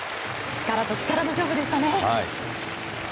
力と力の勝負でしたね。